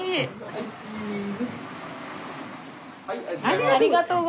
ありがとう。